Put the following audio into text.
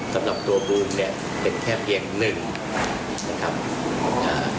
สำหรับตัวบูมเนี่ยเป็นแค่เพียง๑นะครับ